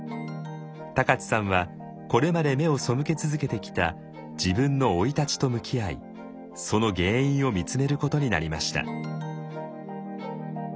高知さんはこれまで目を背け続けてきた自分の生い立ちと向き合いその原因を見つめることになりました。